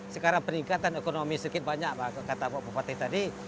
sekarang peningkatan ekonomi sedikit banyak pak bupati